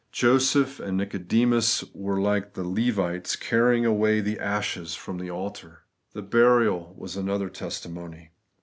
Joseph and Nicodemus were like the Levites carry ing away the ashes from the altar. The burial was another testimony.